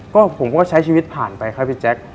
ก็ผมก็ใช้ชีวิตผ่านไปครับพี่แจ๊ค